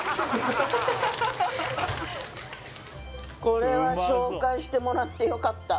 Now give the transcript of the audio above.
これは紹介してもらってよかった